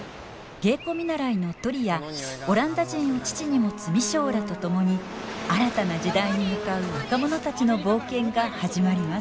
芸妓見習のトリやオランダ人を父に持つ未章らと共に新たな時代に向かう若者たちの冒険が始まります。